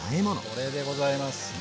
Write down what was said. これでございます。